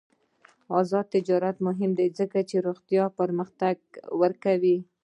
آزاد تجارت مهم دی ځکه چې روغتیا پرمختګ ورکوي.